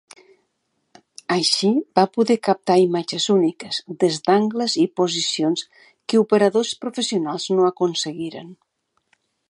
Així va poder captar imatges úniques des d'angles i posicions que operadors professionals no aconseguiren.